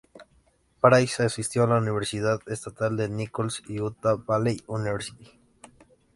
Price asistió a la Universidad Estatal de Nicholls y Utah Valley University.